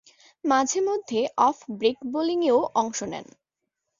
মাঝে-মধ্যে off break বোলিংয়ে অংশ নেন।